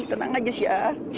tenang aja sih ya